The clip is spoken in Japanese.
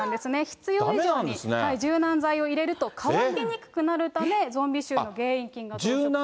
必要以上に柔軟剤を入れると乾きにくくなるため、ゾンビ臭の原因菌が増殖すると。